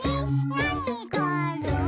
「なにがある？」